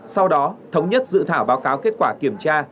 sau đó thống nhất dự thảo báo cáo kết quả kiểm tra